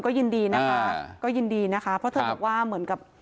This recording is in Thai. ก็ยินดีนะคะเพราะเธอบอกว่าเหมือนกับ